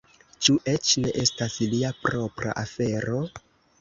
Ĉu eĉ ne estas lia propra afero?